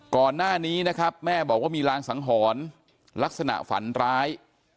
ก่อนหน้านี้นะครับแม่บอกว่ามีรางสังหรณ์ลักษณะฝันร้าย